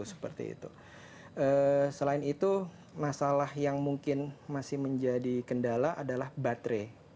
selain itu masalah yang mungkin masih menjadi kendala adalah baterai